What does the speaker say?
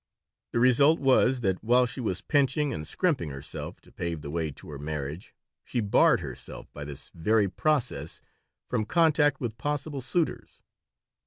The result was that while she was pinching and scrimping herself to pave the way to her marriage she barred herself, by this very process, from contact with possible suitors.